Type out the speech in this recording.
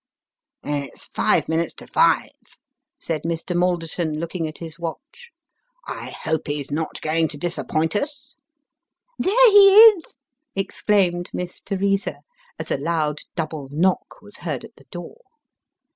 " It's five minutes to five," said Mr. Maldcrtou, looking at his watch :" I hope he's not going to disappoint us." " There he is !" exclaimed Miss Teresa, as a loud double knock was heard at the door.